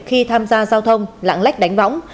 khi tham gia giao thông lãng lách đánh võng